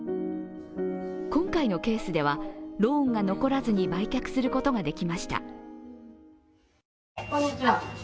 今回のケースでは、ローンが残らずに売却することができました。